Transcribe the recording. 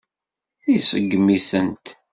Iseggem-itent.